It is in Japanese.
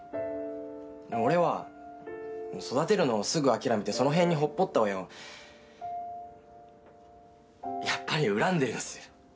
俺は育てるのをすぐ諦めてその辺にほっぽった親をやっぱり恨んでるんっす。